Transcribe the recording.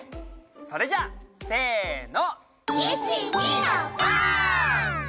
それじゃせの。